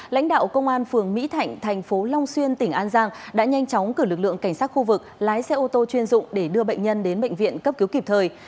lãnh đạo công an phường mỹ thạnh thành phố long xuyên tỉnh an giang đã nhanh chóng cử lực lượng cảnh sát khu vực lái xe ô tô chuyên dụng để đưa bệnh nhân đến bệnh viện cấp cứu kịp thời